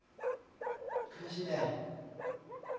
悔しいね。